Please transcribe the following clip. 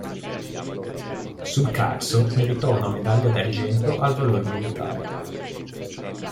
Sul Carso meritò una medaglia d'argento al valor militare.